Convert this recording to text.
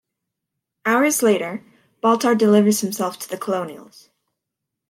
Hours later, Baltar delivers himself to the Colonials.